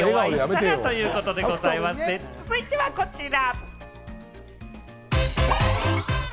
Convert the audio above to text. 続いてはこちら。